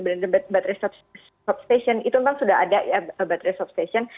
battery stop station itu memang sudah ada ya battery stop station